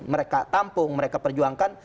mereka tampung mereka perjuangkan